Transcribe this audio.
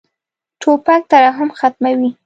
توپک ترحم ختموي.